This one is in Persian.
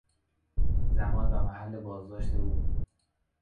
زمان و محل بازداشت او